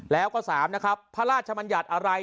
แล้วก็๓นะครับพระราชมัญญัติอะไร